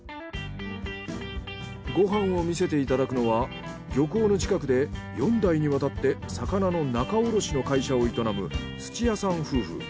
ご飯を見せていただくのは漁港の近くで４代にわたって魚の仲卸の会社を営む土屋さん夫婦。